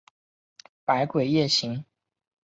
百鬼夜行。